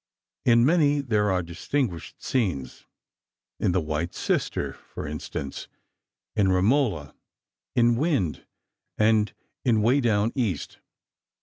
In many there are distinguished scenes: in "The White Sister," for instance; in "Romola," in "Wind," and in "Way Down East."